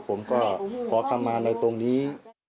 ผมก็ขอคำมาในตรงนี้